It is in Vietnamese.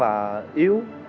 rất là yếu